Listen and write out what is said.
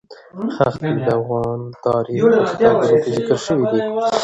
ښتې د افغان تاریخ په کتابونو کې ذکر شوی دي.